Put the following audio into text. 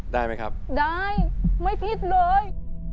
ได้ไหมครับได้ไม่ผิดเลย